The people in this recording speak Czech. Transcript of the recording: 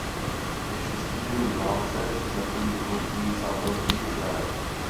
Po šestidenní válce se zapojil do Hnutí za Velký Izrael.